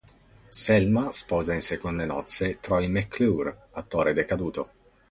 Selma sposa in seconde nozze Troy McClure, attore decaduto.